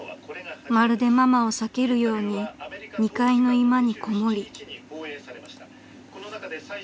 ［まるでママを避けるように２階の居間にこもり］